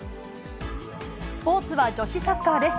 スポーツは女子サッカーです。